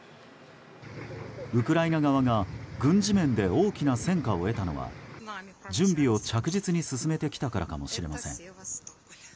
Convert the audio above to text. ウクライナ側が軍事面で大きな戦果を得たのは準備を着実に進めてきたからかもしれません。